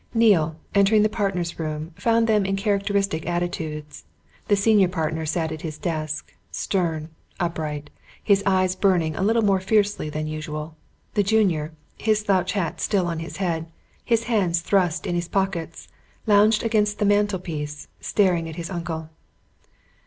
Neale, entering the partners' room, found them in characteristic attitudes. The senior partner sat at his desk, stern, upright, his eyes burning a little more fiercely than usual: the junior, his slouch hat still on his head, his hands thrust in his pockets, lounged against the mantelpiece, staring at his uncle.